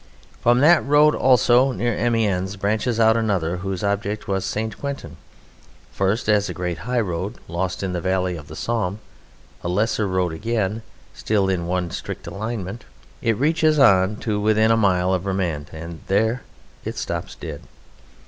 From that road also, near Amiens, branches out another, whose object was St. Quentin, first as a great high road, lost in the valley of the Somme, a lesser road again, still in one strict alignment, it reaches on to within a mile of Vermand, and there it stops dead.